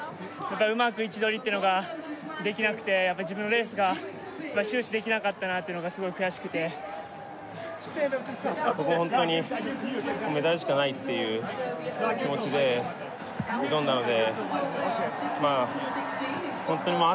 うまく位置どりっていうのができなくてやっぱり自分レースが終始できなかったなっていうのがすごい悔しくてホントにメダルしかないっていう気持ちで挑んだのでまあホントにまあ